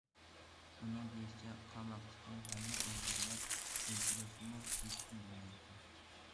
ئۇنىڭ دېيىشىچە قاماقتىكى ھەممە ئۇيغۇرلار ئۆلتۈرۈلسىمۇ ھېچ كىم بىلمەيدىكەن.